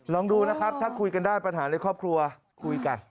ลองดูนะครับถ้าคุยกันได้ปัญหาในครอบครัวคุยกัน